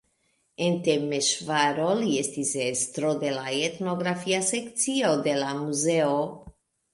En Temeŝvaro li estis estro de la etnografia sekcio de la muzeo.